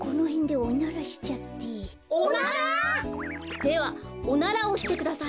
おなら？ではおならをしてください。